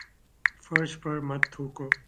فرش پر مت تھوکو